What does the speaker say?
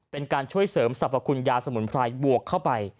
เป็นการช่วยเสริมสรรพคุณยาสมุนไพรบวกเข้าไป